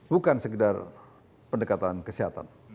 bukan sekedar pendekatan kesehatan